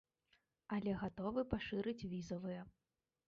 Але гатовы пашырыць візавыя.